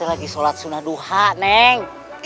itu lagi sholat sunah duha neng